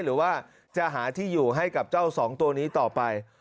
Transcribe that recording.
หรือว่าจะหาที่อยู่ให้กับเจ้าสองตัวนี้ต่อไป